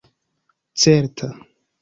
certa